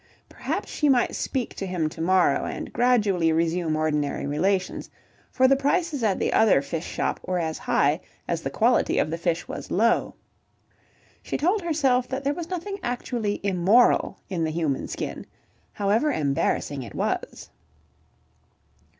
Perhaps she might speak to him to morrow and gradually resume ordinary relations, for the prices at the other fish shop were as high as the quality of the fish was low. ... She told herself that there was nothing actually immoral in the human skin, however embarrassing it was.